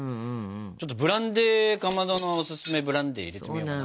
ちょっとブランデーかまどのおすすめブランデー入れてみよかな。